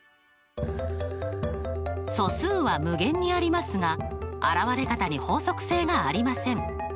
素数は無限にありますが現れ方に法則性がありません。